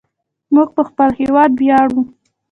موږ په خپل هیواد ویاړو.